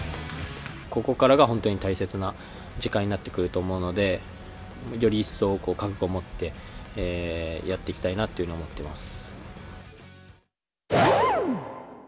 ここからが本当に大切な時間になってくると思うので、より一層、覚悟を持って、やっていきたいなと思っています。